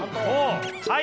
はい。